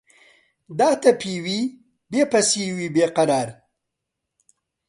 داتەپیوی، بێ پەسیوی بێ قەرار